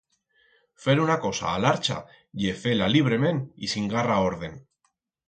Fer una cosa a l'archa ye fer-la librement y sin garra orden.